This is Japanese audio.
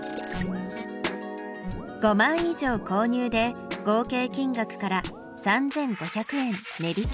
５枚以上購入で合計金額から３５００円値引き。